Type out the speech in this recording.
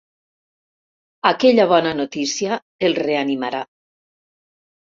Aquella bona notícia el reanimarà.